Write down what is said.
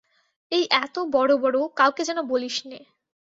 এই এত বড় বড়, কাউকে যেন বলিসনে!